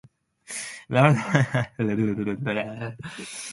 日本で初めて、女性総理大臣が誕生した。